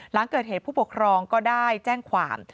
หลังเกิดเหตุผู้ปกครองก็ได้แจ้งความ